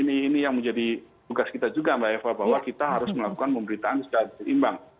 ini yang menjadi tugas kita juga mbak eva bahwa kita harus melakukan pemberitaan secara berimbang